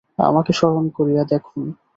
আমাকে স্মরণ করিয়া দেখুন।